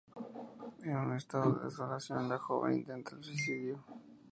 En un estado de desolación, la joven intenta el suicidio.